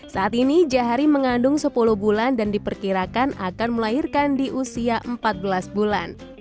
saat ini jahari mengandung sepuluh bulan dan diperkirakan akan melahirkan di usia empat belas bulan